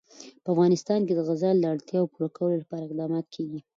په افغانستان کې د زغال د اړتیاوو پوره کولو لپاره اقدامات کېږي.